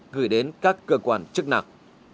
gửi đến các cơ quan chức nạc